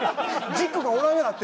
軸がおらんようになってる。